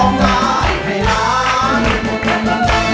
นั่งมา